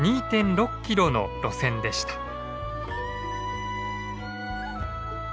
２．６キロの路線でした。